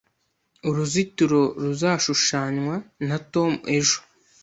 Uruzitiro ruzashushanywa na Tom ejo